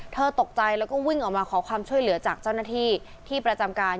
ตกใจแล้วก็วิ่งออกมาขอความช่วยเหลือจากเจ้าหน้าที่ที่ประจำการ